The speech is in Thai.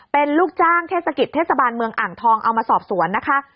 เป็นลูกจ้างเทศกิจเทศบาลเมืองอ่างทองเอามาสอบสวนนะคะ